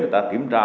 người ta kiểm tra